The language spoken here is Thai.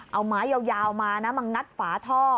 เอาไม้ยาวมานะมางัดฝาท่อ